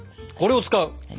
これを使う？